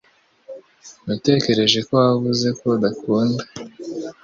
Natekereje ko wavuze ko udakunda